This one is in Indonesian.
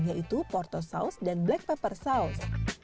yaitu porto saus dan black pepper saus